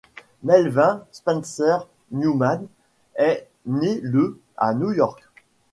Melvin Spencer Newman est né le à New York.